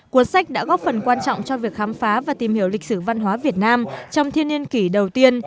cuốn sách đã góp phần quan trọng cho việc khám phá và tìm hiểu lịch sử văn hóa việt nam trong thiên niên kỷ đầu tiên